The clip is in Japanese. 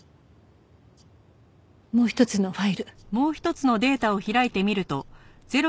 もう一つのファイル。